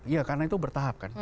iya karena itu bertahap kan